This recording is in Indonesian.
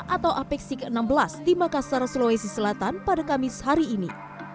atau apeksi ke enam belas di makassar sulawesi selatan pada kamis hari ini